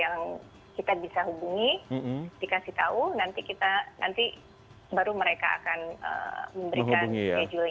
yang kita bisa hubungi dikasih tahu nanti baru mereka akan memberikan judulnya